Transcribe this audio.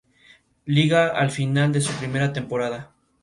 Liga al final de su primera temporada.